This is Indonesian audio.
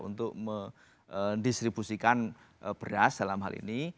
untuk mendistribusikan beras dalam hal ini